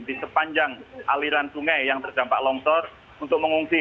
di sepanjang aliran sungai yang terdampak longsor untuk mengungsi